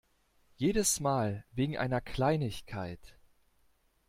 Jedes Mal wegen einer Kleinigkeit.